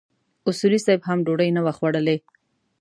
اصولي صیب هم ډوډۍ نه وه خوړلې.